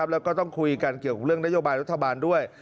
แล้วก็ต้องคุยกันเกี่ยวกับเรื่องนโยบายรัฐบาลด้วย